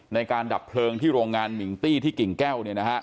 ในการดับเพลิงที่โรงงานมิงตี้ที่กิ่งแก้ว